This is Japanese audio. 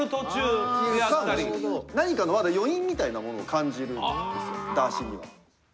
何かの、まだ余韻みたいなものを感じるんですよ、ダーシには。